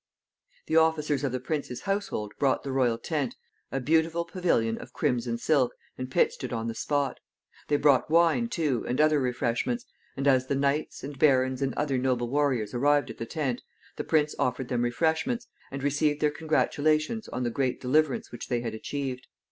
The officers of the prince's household brought the royal tent, a beautiful pavilion of crimson silk, and pitched it on the spot. They brought wine, too, and other refreshments; and as the knights, and barons, and other noble warriors arrived at the tent, the prince offered them refreshments, and received their congratulations on the great deliverance which they had achieved.